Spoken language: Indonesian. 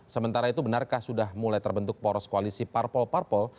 sementara itu benarkah sudah mulai terbentuk poros koalisi parpol parpol